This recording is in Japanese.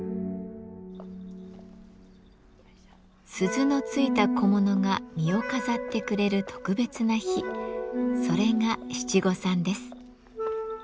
鈴のついた小物が身を飾ってくれる特別な日それが七五三です。